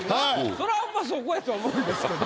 そらやっぱそこやと思うんですけど。